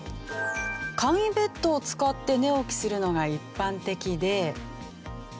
簡易ベッドを使って寝起きするのが一般的で。